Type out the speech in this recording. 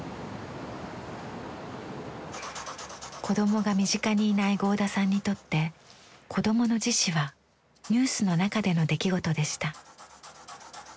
子供が身近にいない合田さんにとって子供の自死はニュースの中での出来事でした。